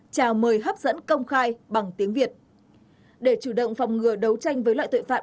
chào mời hấp dẫn công khai bằng tiếng việt để chủ động phòng ngừa đấu tranh với loại tội phạm